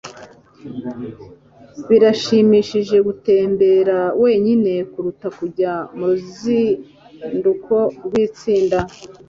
Birashimishije gutembera wenyine kuruta kujya muruzinduko rwitsinda.